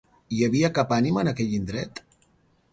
Hi havia cap ànima en aquell indret?